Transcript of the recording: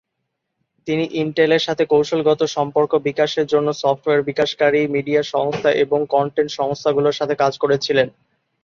তিনি ইন্টেলের সাথে কৌশলগত সম্পর্ক বিকাশের জন্য সফটওয়্যার বিকাশকারী, মিডিয়া সংস্থা এবং কন্টেন্ট সংস্থাগুলোর সাথে কাজ করেছিলেন।